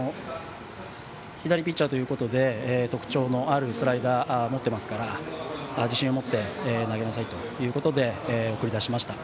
左ピッチャーということで特徴のあるスライダーを持っていますから自信を持って投げなさいということで送り出しました。